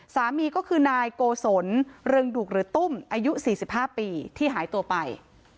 สามีก็คือนายโกศลเรืองดุกหรือตุ้มอายุ๔๕ปีที่หายตัวไป